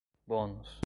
bônus